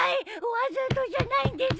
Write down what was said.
わざとじゃないんです！